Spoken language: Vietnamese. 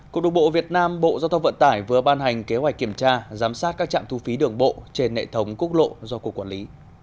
cục đường bộ việt nam bộ giao thông vận tải vừa ban hành kế hoạch kiểm tra giám sát các trạm thu phí đường bộ trên hệ thống quốc lộ do cục quản lý